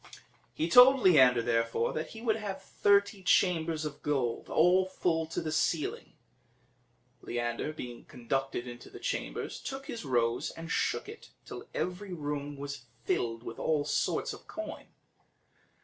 He told Leander, therefore, that he would have thirty chambers of gold, all full to the ceiling. Leander, being conducted into the chambers, took his rose and shook it, till every room was filled with all sorts of coin.